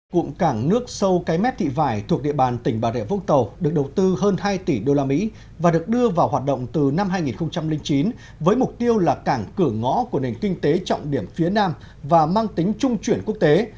cụm cảng nước sâu cái mép thị vải thuộc địa bàn tỉnh bà rịa vũng tàu được đầu tư hơn hai tỷ usd và được đưa vào hoạt động từ năm hai nghìn chín với mục tiêu là cảng cửa ngõ của nền kinh tế trọng điểm phía nam và mang tính trung chuyển quốc tế